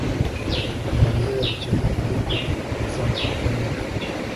amarira y'abakene ariko azamuka ajya mu ijuru.